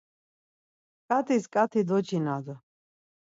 Ǩat̆is ǩat̆i doçinadu.